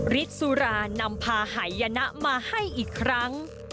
ฤทธิ์สุรานำพาหายนะมาให้อีกครั้ง